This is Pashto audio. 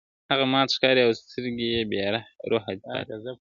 هغه مات ښکاري او سترګي يې بې روحه پاته دي,